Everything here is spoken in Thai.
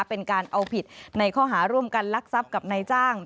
เป็นการเอาผิดในข้อหาร่วมกันลักทรัพย์กับนายจ้าง